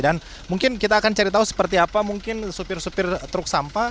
mungkin kita akan cari tahu seperti apa mungkin supir supir truk sampah